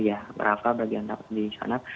ya rafah bagian rafah di sana